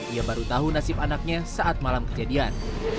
ia baru tahu nasib anaknya saat malam kejadian